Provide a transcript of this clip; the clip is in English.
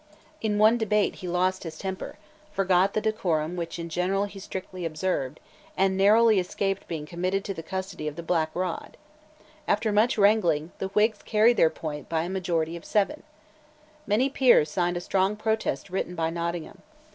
In one debate he lost his temper, forgot the decorum which in general he strictly observed, and narrowly escaped being committed to the custody of the Black Rod, After much wrangling, the Whigs carried their point by a majority of seven, Many peers signed a strong protest written by Nottingham.